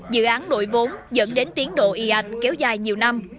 dự án đổi vốn dẫn đến tiến độ y ảnh kéo dài nhiều năm